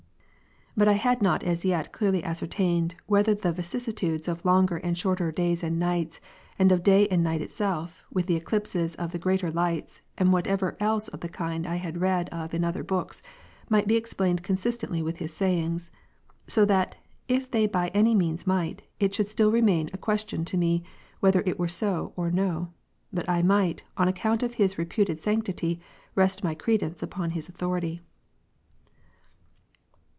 But I had not as yet clearly ascertained, whether the vicissitudes of longer and shorter days and nights, and of day and night itself, with the eclipses of the greater lights, and whatever else of the kind I had read of in other books, might be explained consistently with his sayings ; so that, if they by any means might, it should still remain a question to me, whether it were so or no ; but I might, on account of his reputed sanctity ^, rest my credence upon his authority.